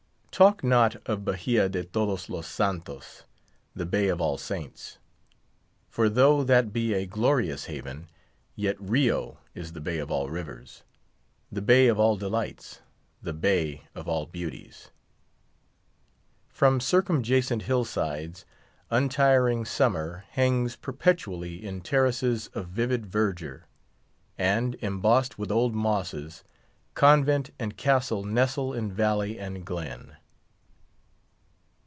Talk not of Bahia de Todos os Santos—the Bay of All Saints; for though that be a glorious haven, yet Rio is the Bay of all Rivers—the Bay of all Delights—the Bay of all Beauties. From circumjacent hillsides, untiring summer hangs perpetually in terraces of vivid verdure; and, embossed with old mosses, convent and castle nestle in valley and glen.